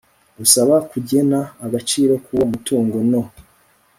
gisaba kugena agaciro k uwo mutungo no